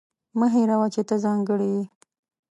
مه هېروه چې ته ځانګړې یې.